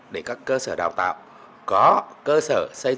để các cơ sở đào tạo có cơ sở xây dựng